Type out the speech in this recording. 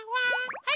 はい。